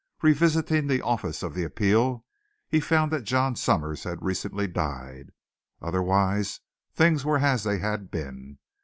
Revisiting the office of the Appeal he found that John Summers had recently died. Otherwise things were as they had been.